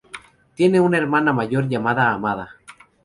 Tiene una hermana mayor llamada, Amanda.